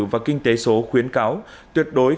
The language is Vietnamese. và kinh tế số khuyến cáo